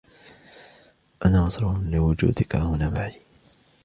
أنا مسرور لوجودك هنا معي.